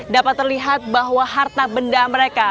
dapat terlihat bahwa harta benda mereka